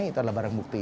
itu adalah barang bukti